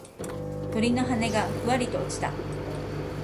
鳥の羽がふわりと落ちた。